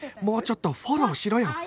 もうちょっとフォローしろよ